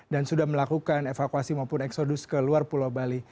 dan sudah melakukan evakuasi maupun eksodus ke luar pulau bali